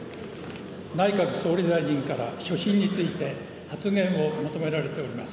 内閣総理大臣から所信について発言を求められております。